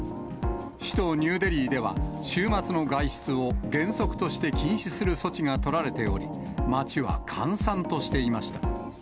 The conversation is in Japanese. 首都ニューデリーでは、週末の外出を原則として禁止する措置が取られており、街は閑散としていました。